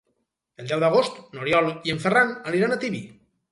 El deu d'agost n'Oriol i en Ferran aniran a Tibi.